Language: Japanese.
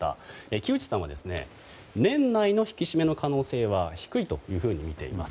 木内さんは、年内の引き締めの可能性は低いとみています。